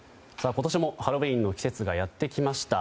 今年もハロウィーンの季節がやってきました。